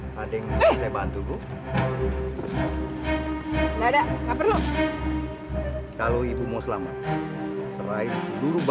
kadang kadang s pertemannya